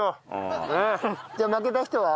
じゃあ負けた人は？